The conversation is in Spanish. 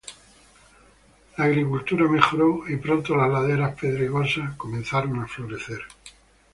La agricultura mejoró y "pronto las laderas pedregosas comenzaron a florecer".